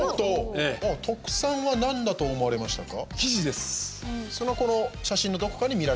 特産はなんだと思われましたか？